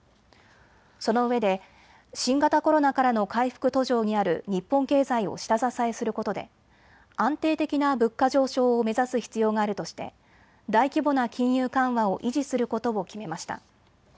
そのうえで新型コロナからの回復途上にある日本経済を下支えすることで安定的な物価上昇を目指す必要があるとして大規模な金融緩和を維持することを決めました。